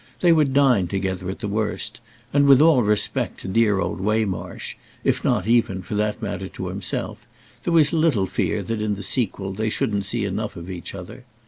They would dine together at the worst, and, with all respect to dear old Waymarsh—if not even, for that matter, to himself—there was little fear that in the sequel they shouldn't see enough of each other.